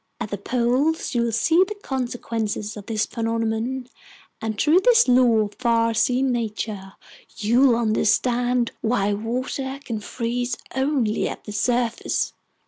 At the poles you'll see the consequences of this phenomenon, and through this law of farseeing nature, you'll understand why water can freeze only at the surface!"